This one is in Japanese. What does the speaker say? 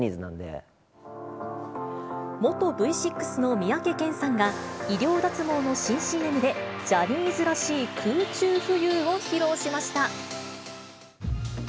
元Ｖ６の三宅健さんが、医療脱毛の新ＣＭでジャニーズらしい空中浮遊を披露しました。